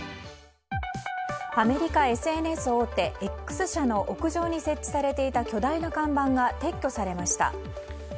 アメリカＳＮＳ大手Ｘ社の屋上に設置されていた巨大な看板が撤去されました。